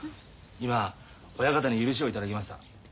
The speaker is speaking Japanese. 今親方に許しを頂きました。